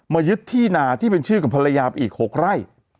ยึดที่นาที่เป็นชื่อกับภรรยาไปอีก๖ไร่